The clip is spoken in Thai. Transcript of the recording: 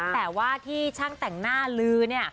แต่ว่าที่ช่างแต่งหน้าลือเนี่ย